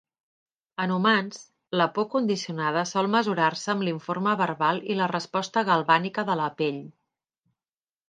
En humans, la por condicionada sol mesurar-se amb l'informe verbal i la resposta galvànica de la pell.